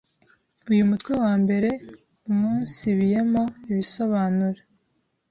Uyu mutwe wa mbere uumunsibiyemo ibisobanuro